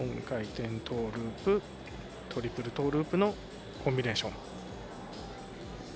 ４回転トーループトリプルトーループのコンビネーション。